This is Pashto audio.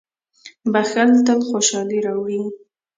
• بښل تل خوشالي راوړي.